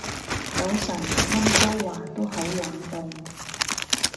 早晨，溫哥華都好冷凍